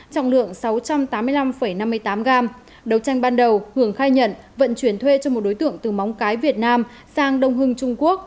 trọng lượng sáu trăm tám mươi năm năm mươi tám gram đấu tranh ban đầu hường khai nhận vận chuyển thuê cho một đối tượng từ móng cái việt nam sang đông hưng trung quốc